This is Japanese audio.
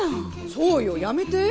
そうよやめて！